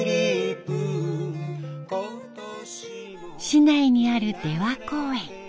市内にある出羽公園。